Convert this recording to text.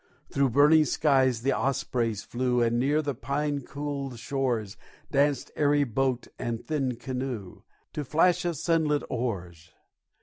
Through burning skies the ospreys flew, And near the pine cooled shores Danced airy boat and thin canoe, To flash of sunlit oars.